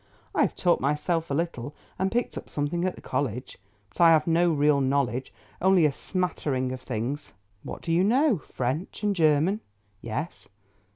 "I have taught myself a little and picked up something at the college. But I have no real knowledge, only a smattering of things." "What do you know—French and German?" "Yes."